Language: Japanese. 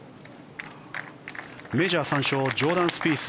メジャー３勝ジョーダン・スピース。